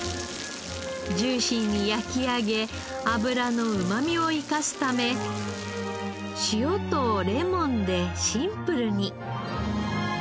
ジューシーに焼き上げ脂のうまみを生かすため塩とレモンでシンプルに。